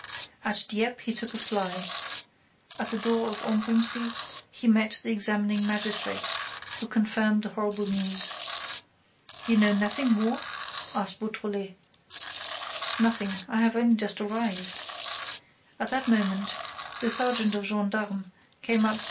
At Dieppe, he took a fly. At the door of Ambrumésy, he met the examining magistrate, who confirmed the horrible news. "You know nothing more?" asked Beautrelet. "Nothing. I have only just arrived." At that moment, the sergeant of gendarmes came up to M.